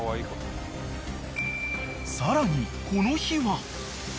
［さらにこの日は］